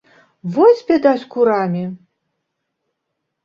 Вось бяда з курамі!